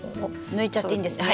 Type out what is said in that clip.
抜いちゃっていいんですね？